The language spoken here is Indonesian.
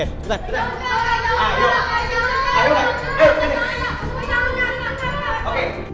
jangan kakak jangan kakak